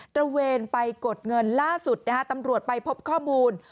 ระเวนไปกดเงินล่าสุดนะฮะตำรวจไปพบข้อมูล